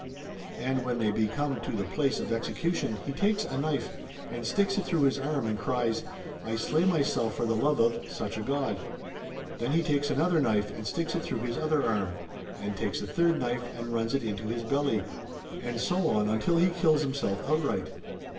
And when they be come to the place of execution he takes a knife and sticks it through his arm, and cries :" I slay myself for the love of (such a god) !" Then he takes another knife and sticks it through his other arm, and takes a third knife and runs it into his belly, and so on until he kills himself outright.